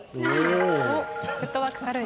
フットワーク軽い。